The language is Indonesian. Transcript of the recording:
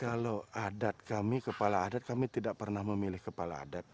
kalau adat kami kepala adat kami tidak pernah memilih kepala adat